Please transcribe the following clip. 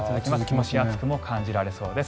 蒸し暑くも感じられそうです。